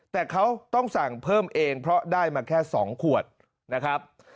แต่เขาต้องสั่งเพิ่มเองเพราะได้มาแค่๒ขวดนะครับ